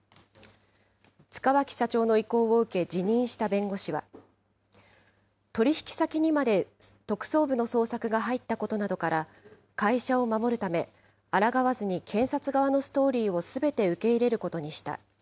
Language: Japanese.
塚脇社長の意向を受け辞任した弁護士は、取り引き先にまで特捜部の捜索が入ったことなどから、会社を守るため、あらがわずに検察側のストーリーをすべて受け入れることにした。